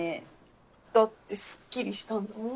だってすっきりしたんだもん。